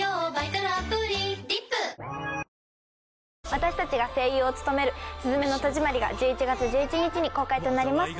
私たちが声優を務める『すずめの戸締まり』が１１月１１日に公開となります。